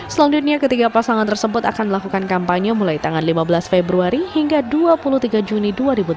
selanjutnya ketiga pasangan tersebut akan melakukan kampanye mulai tanggal lima belas februari hingga dua puluh tiga juni dua ribu tujuh belas